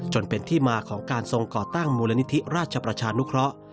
จนเป็นที่มาของการทรงก่อตั้งมูลนิธิราชประชานุเคราะห์